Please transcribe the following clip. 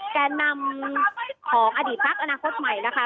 แก่นำของอดีตพักอนาคตใหม่นะคะ